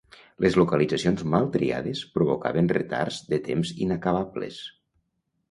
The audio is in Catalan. Les localitzacions mal triades provocaven retards de temps inacabables.